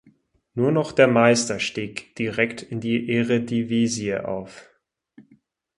Nur noch der Meister stieg direkt in die Eredivisie auf.